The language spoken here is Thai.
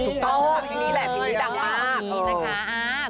ถูกต้องทีนี้แหละทีนี้ดังมาก